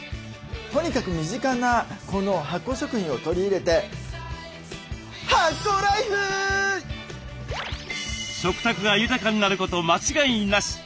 とにかく身近なこの発酵食品を取り入れて食卓が豊かになること間違いなし。